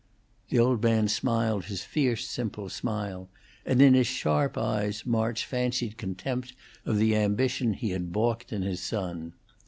The old man smiled his fierce, simple smile, and in his sharp eyes March fancied contempt of the ambition he had balked in his son.